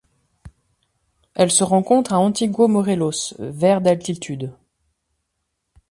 Elle se rencontre à Antiguo Morelos vers d'altitude.